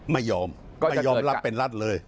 ไม่ยอมไม่ยอมรับเป็นรัฐเลย